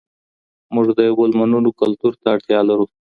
موږ د یو بل منلو کلتور ته اړتیا لرو.